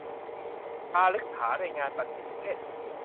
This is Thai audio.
ปาฐกถาในงานปัจฉิมนิเทศ